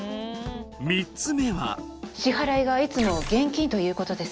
３つ目は支払いがいつも現金ということです